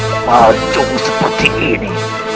memanjung seperti ini